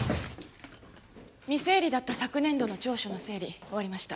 未整理だった昨年度の調書の整理終わりました。